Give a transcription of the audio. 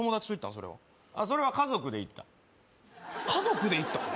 それはあっそれは家族で行った家族で行った？